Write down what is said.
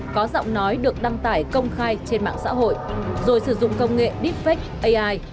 có giọng nói được đăng tải công khai trên mạng xã hội rồi sử dụng công nghệ deepfake ai